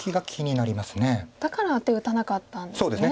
だからアテを打たなかったんですね。